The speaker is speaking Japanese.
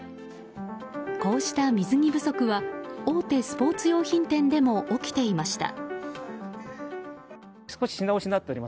こうした水着不足は大手スポーツ用品店でも起きていました。